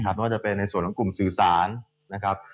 ไม่ว่าจะเป็นในส่วนของกลุ่มสื่อสารนะครับ